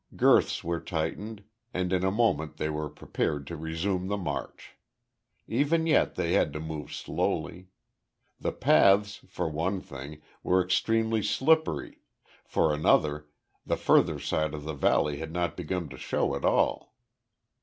Girths were tightened, and in a moment they were prepared to resume the march. Even yet they had to move slowly. The paths, for one thing, were extremely slippery, for another, the further side of the valley had not begun to show at all.